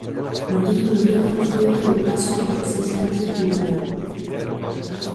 Martiño Noriega cede o paso a Xosé Sánchez Bugallo.